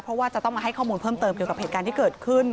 เพราะว่าจะต้องมาให้ข้อมูลเพิ่มเติมเกี่ยวกับเหตุการณ์ที่เกิดขึ้น